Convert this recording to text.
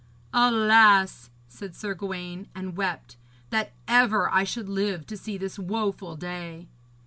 'Alas!' said Sir Gawaine, and wept, 'that ever I should live to see this woful day.'